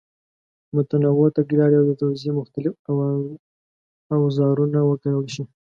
متنوع تګلارې او د توضیح مختلف اوزارونه وکارول شي.